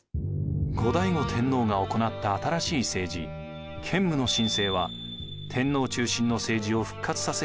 後醍醐天皇が行った新しい政治建武の新政は天皇中心の政治を復活させようとするものでした。